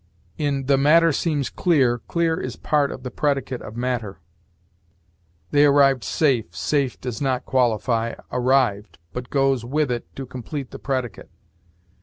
In 'the matter seems clear,' 'clear' is part of the predicate of 'matter.' 'They arrived safe': 'safe' does not qualify 'arrived,' but goes with it to complete the predicate.